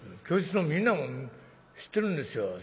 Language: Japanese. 教室のみんなも知ってるんですよ。